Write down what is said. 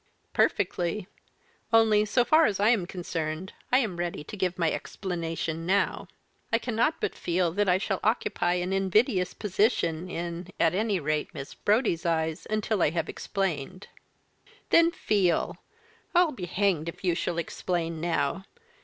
"Perfectly. Only, so far as I am concerned, I am ready to give my explanation now. I cannot but feel that I shall occupy an invidious position in, at any rate, Miss Brodie's eyes until I have explained." "Then feel! I'll be hanged if you shall explain now.